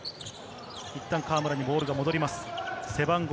いったん河村にボールが戻ります、背番号３３。